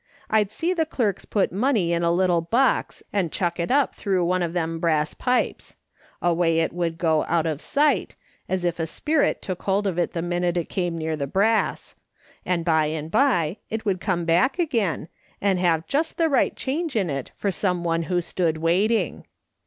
I'd see the clerks put money in a little box and chuck it up through one of them brass pipes. Away it would go out of sight, as if a spirit took hold of it the minute it came near the brass; and by and by it would come back again, and have just the right change in it for some one who stood waiting.